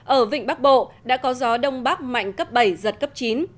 ở vịnh bắc bộ đã có gió đông bắc mạnh cấp bảy giật cấp chín